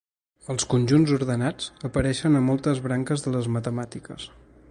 Els conjunts ordenats apareixen a moltes branques de les matemàtiques.